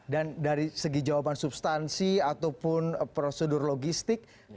dan dari segi jawaban substansi ataupun prosedur logistik